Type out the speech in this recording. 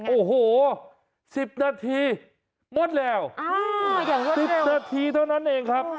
โอ้โห๑๐นาทีหมดแล้ว๑๐นาทีเท่านั้นเองครับ